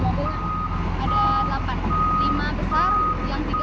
ada delapan lima besar yang tiga